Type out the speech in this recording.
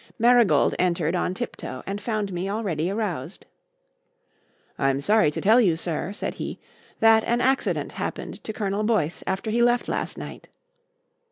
Marigold entered on tiptoe and found me already aroused. "I'm sorry to tell you, sir," said he, "that an accident happened to Colonel Boyce after he left last night."